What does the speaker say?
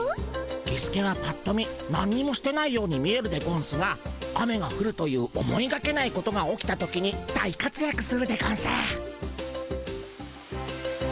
キスケはぱっと見なんにもしてないように見えるでゴンスが雨がふるという思いがけないことが起きた時に大かつやくするでゴンス。